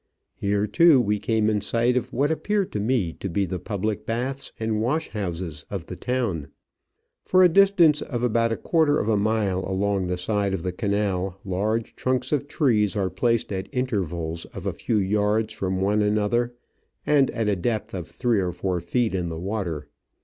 Here, too, we came in sight of what appeared to me to be the public baths and wash houses of the town. For a distance of about a quarter of a mile along the side of the canal large trunks of trees are placed at intervals of a few yards from one another, and at a depth of three or four feet in the water.